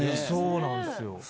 そうなんですよ。